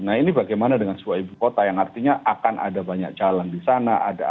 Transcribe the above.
nah ini bagaimana dengan sebuah ibu kota yang artinya akan ada banyak jalan di sana